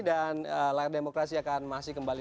dan lair demokrasi akan masih kembali